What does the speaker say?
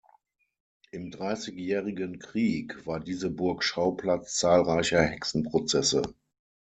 Im Dreißigjährigen Krieg war diese Burg Schauplatz zahlreicher Hexenprozesse.